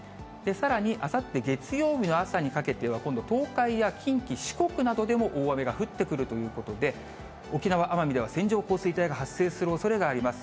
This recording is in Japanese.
さらにあさって月曜日の朝にかけては、今度東海や近畿、四国などでも大雨が降ってくるということで、沖縄・奄美では線状降水帯が発生するおそれがあります。